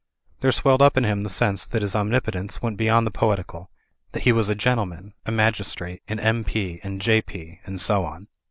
There swelled up in him the sense that his omnipotence went beyond the poetical ; that he was a gentleman, a magis trate, an M.P. and J.P., and so on.